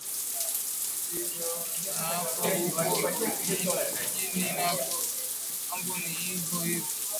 chane na hapo huko guinea nako mambo ni hivo hivo